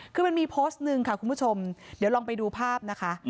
คือมันมีโพสต์หนึ่งค่ะคุณผู้ชมเดี๋ยวลองไปดูภาพนะคะ